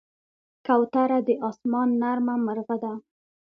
کوتره د آسمان نرمه مرغه ده.